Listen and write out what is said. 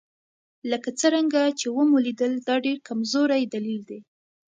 لکه څرنګه چې ومو لیدل دا ډېر کمزوری دلیل دی.